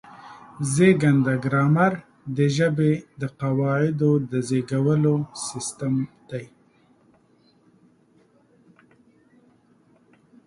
زېږنده ګرامر د ژبې د قواعدو د زېږولو سیستم دی.